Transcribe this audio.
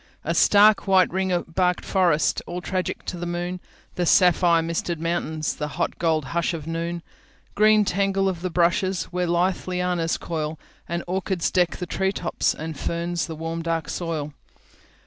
The stark white ring barked forests, All tragic to the moon, The sapphire misted mountains, The hot gold hush of noon. Green tangle of the brushes, Where lithe lianas coil, And orchids deck the tree topsAnd ferns the warm dark soil.